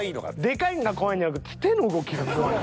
でかいんが怖いんじゃなく手の動きが怖い。